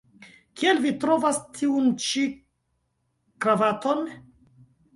Kiel vi trovas tiun ĉi kravaton?